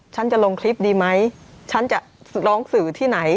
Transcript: ฉันจะลงคลิปดีไหมฉันจะร้องสื่อที่ไหน